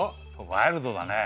ワイルドだね。